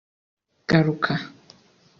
Garuka